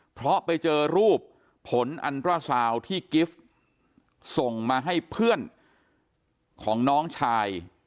เพราะไปเจอรูปผลอันตราซาวที่กิฟต์ส่งมาให้เพื่อนของน้องชาย